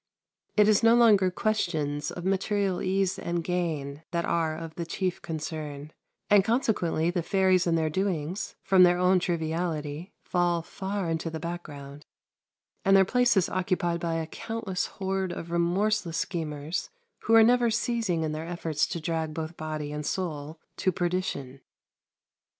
It is no longer questions of material ease and gain that are of the chief concern; and consequently the fairies and their doings, from their own triviality, fall far into the background, and their place is occupied by a countless horde of remorseless schemers, who are never ceasing in their efforts to drag both body and soul to perdition.